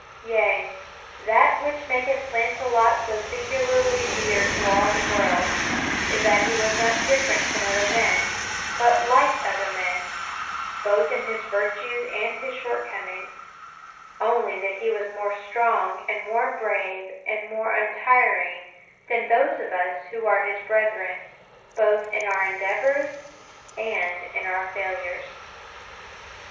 Yea, that which maketh Launcelot so singularly dear to all the world, is that he was not different from other men, but like other men, both in his virtues and his shortcomings; only that he was more strong and more brave and more untiring than those of us who are his brethren, both in our endeavors and in our failures.